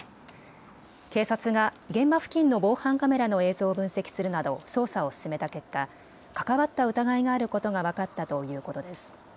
警察が現場付近の防犯カメラの映像を分析するなど捜査を進めた結果、関わった疑いがあることが分かったということです。